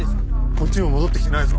こっちにも戻って来てないぞ。